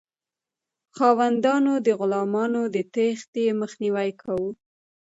خاوندانو د غلامانو د تیښتې مخنیوی کاوه.